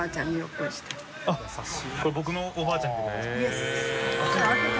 これ僕のおばあちゃんにですか？